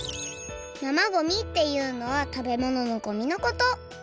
生ごみっていうのは食べ物のごみのこと。